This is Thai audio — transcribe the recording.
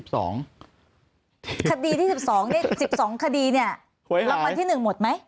คราดีที่๑๒เนี่ย๑๒คราดีเนี่ยรางวัลที่๑เหมือนไหม